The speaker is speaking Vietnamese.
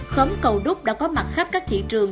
khấm cầu đúc đã có mặt khắp các thị trường